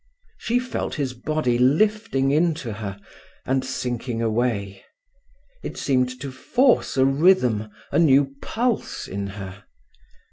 She felt his body lifting into her, and sinking away. It seemed to force a rhythm, a new pulse, in her.